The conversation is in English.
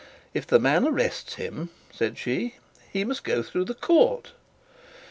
'If the man arrests him,' said she, 'he must go through the court.'